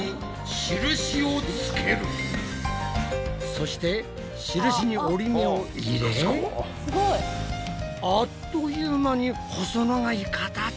そして印に折り目を入れあっという間に細長い形に！